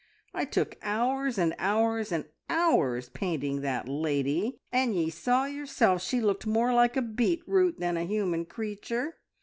I took hours, and hours, and hours painting that lady, and ye saw yourself she looked more like a beetroot than a human creature.